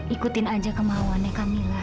ikutin aja kemauannya kamilah